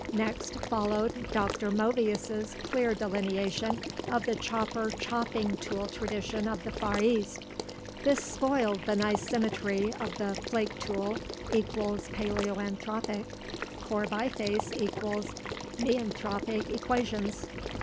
Next followed Dr. Movius' clear delineation of the chopper chopping tool tradition of the Far East. This spoiled the nice symmetry of the flake tool = paleoanthropic, core biface = neanthropic equations.